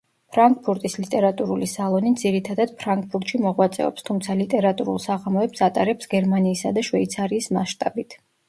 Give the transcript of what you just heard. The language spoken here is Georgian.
ფრანკფურტის ლიტერატურული სალონი ძირითადად ფრანკფურტში მოღვაწეობს, თუმცა ლიტერატურულ საღამოებს ატარებს გერმანიისა და შვეიცარიის მასშტაბით.